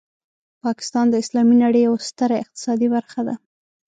پاکستان د اسلامي نړۍ یوه ستره اقتصادي برخه ده.